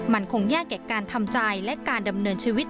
มันคงยากแก่การทำใจและการดำเนินชีวิต